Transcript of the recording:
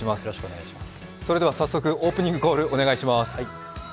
それでは早速オープニングコールお願いします。